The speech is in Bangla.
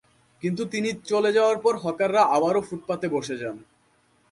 কিন্তু তিনি চলে যাওয়ার পর হকাররা আবারও ফুটপাতে বসে যান।